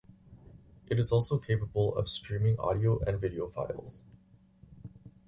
It is also capable of streaming audio and video files.